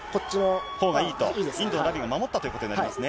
インドのラビが守ったということになりますね。